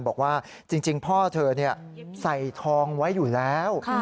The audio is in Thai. บอกว่าจริงพ่อเธอใส่ทองไว้อยู่แล้ว